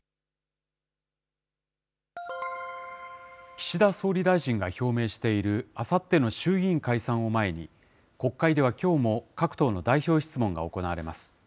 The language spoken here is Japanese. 岸田総理大臣が表明している、あさっての衆議院解散を前に、国会ではきょうも各党の代表質問が行われます。